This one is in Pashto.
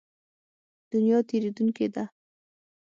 دنیا تېرېدونکې ده.